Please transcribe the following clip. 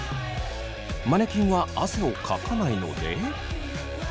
マネキンは汗をかかないので。